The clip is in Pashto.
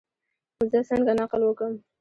زه څنګه نقل وکم؟